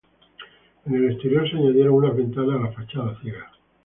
En el exterior, se añadieron unas ventanas a la fachada ciega.